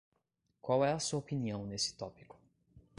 Qual é a sua opinião nesse tópico?